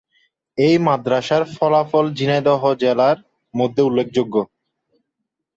এই মাদ্রাসার ফলাফল ঝিনাইদহ জেলার মধ্যে উল্লেখযোগ্য।